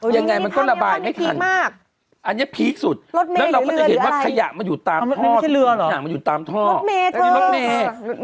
ยังไงมันก็ระบายไม่ทันอันนี้พีคสุดแล้วเราก็จะเห็นว่าขยะมันอยู่ตามท่ออย่างมันอยู่ตามท่ออันนี้รถเมฆ